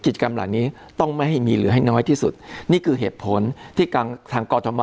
กิจกรรมเหล่านี้ต้องไม่ให้มีเหลือให้น้อยที่สุดนี่คือเหตุผลที่ทางกรทม